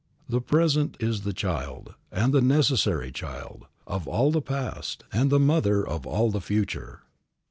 The present is the child, and the necessary child, of all the past, and the mother of all the future.